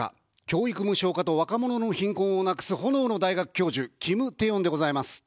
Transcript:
教育無償化と若者の貧困をなくす炎の大学教授、キムテヨンでございます。